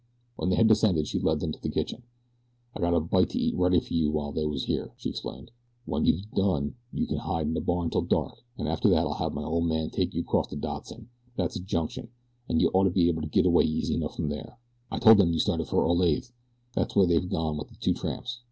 When they had descended she led them to the kitchen. "I got a bite to eat ready for you while they was here," she explained. "When you've done you ken hide in the barn 'til dark, an' after that I'll have my ol' man take you 'cross to Dodson, that's a junction, an' you'd aughter be able to git away easy enough from there. I told 'em you started for Olathe there's where they've gone with the two tramps.